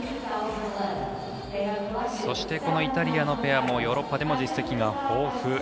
そして、イタリアのペアもヨーロッパでも実績が豊富。